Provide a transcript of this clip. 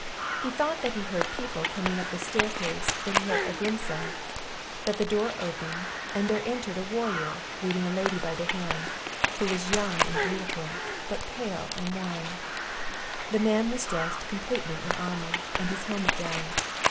He thought that he heard people coming up the staircase that he had a glimpse of; that the door opened, and there entered a warrior, leading a lady by the hand, who was young and beautiful, but pale and wan; The man was dressed in complete armour, and his helmet down.